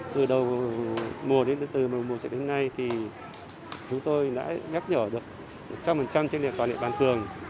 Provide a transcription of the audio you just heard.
từ đầu mùa đến từ mùa dịch đến nay thì chúng tôi đã nhắc nhở được một trăm linh trên tòa lệ bàn thường